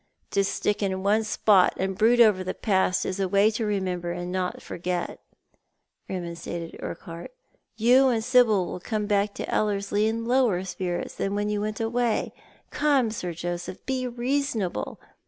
" To stick in one spot and brood over the past is the way to remember and not to forget," remonstrated Urquhart. " You and Sibyl will come back to Ellerslie in lower spirits than when you went away. Come, Sir Joseph, be reasonable.